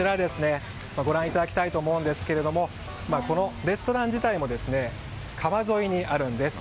ご覧いただきたいと思うんですがこのレストラン自体も川沿いにあるんです。